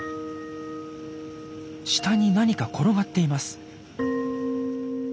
下に何か転がっています。